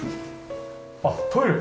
あっトイレ？